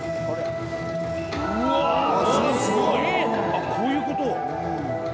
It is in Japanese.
あっこういう事。